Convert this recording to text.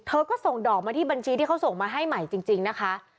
ก็ส่งดอกมาที่บัญชีที่เขาส่งมาให้ใหม่จริงนะคะ